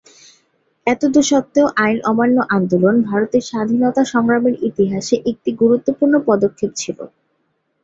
এতদসত্ত্বেও আইন অমান্য আন্দোলন ভারতের স্বাধীনতা সংগ্রামের ইতিহাসে একটি গুরুত্বপূর্ণ পদক্ষেপ ছিল।